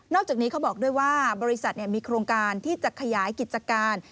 อกจากนี้เขาบอกด้วยว่าบริษัทมีโครงการที่จะขยายกิจการ